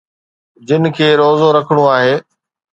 جن کي روزو رکڻو آهي.